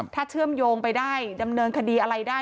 ถ้าเชื่อมโยงไปได้ดำเนินคดีอะไรได้